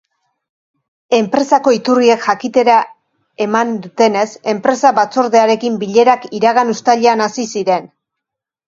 Enpresako iturriek jakitera eman dutenez, enpresa-batzordearekin bilerak iragan uztailean hasi ziren.